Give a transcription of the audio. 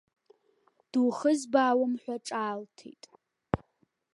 Духызбаауам ҳәа ҿаалҭит.